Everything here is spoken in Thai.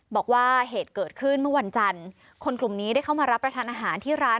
บอกว่าเหตุเกิดขึ้นเมื่อวันจันทร์คนกลุ่มนี้ได้เข้ามารับประทานอาหารที่ร้าน